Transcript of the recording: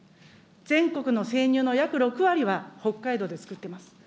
全国の生乳の約６割は北海道で作ってます。